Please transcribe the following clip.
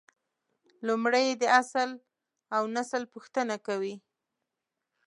لومړی یې د اصل اونسل پوښتنه کوي.